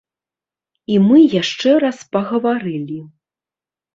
І мы яшчэ раз пагаварылі.